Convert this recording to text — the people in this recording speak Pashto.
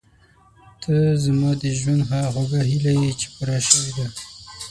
ته زما د ژوند هغه خوږه هیله یې چې پوره شوې ده.